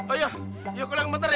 ayo ya kalian sebentar ya